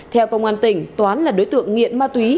theo công an tỉnh toán là đối tượng nghiện ma túy